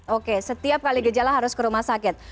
oke setiap kali gejala harus ke rumah sakit